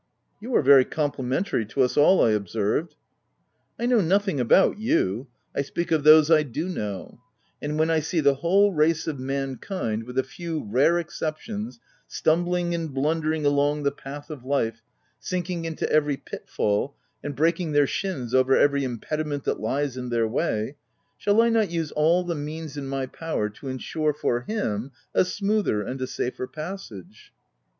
"You are very complimentary to us all," I observed. " I know nothing about you — I speak of those I do know —and when I see the whole race of mankind, (with a few rare exceptions,) stumbling and blundering along the path of life, sinking into every pitfall, and breaking their shins over every impediment that lies in their way, shall I not use all the means in my power to ensure for him, a smoother and a safer passage